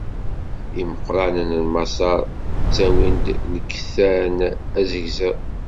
Imeqqranen n Maṣer ttawin-d lkettan azegzaw.